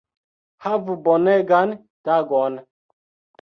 Havu bonegan tagon